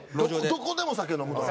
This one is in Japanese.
どこでも酒飲むのよ。